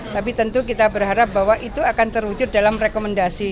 tapi tentu kita berharap bahwa itu akan terwujud dalam rekomendasi